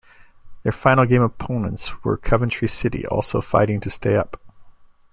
Their final game opponents were Coventry City also fighting to stay up.